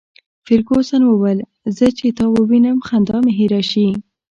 فرګوسن وویل: زه چي تا ووینم، خندا مي هېره شي.